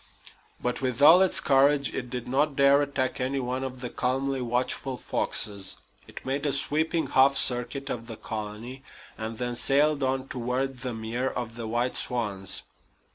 But, with all its courage, it did not dare attack any one of the calmly watchful foxes. It made a sweeping half circuit of the colony, and then sailed on toward the mere of the white swans.